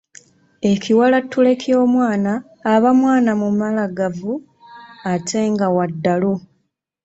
Ekiwalattule ky'omwana aba mwana mumagalavu ate nga wa ddalu.